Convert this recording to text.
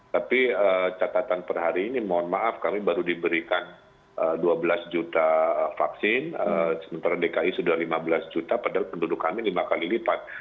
tapi catatan per hari ini mohon maaf kami baru diberikan dua belas juta vaksin sementara dki sudah lima belas juta padahal penduduk kami lima kali lipat